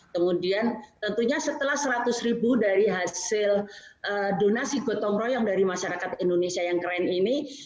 kemudian tentunya setelah seratus ribu dari hasil donasi gotong royong dari masyarakat indonesia yang keren ini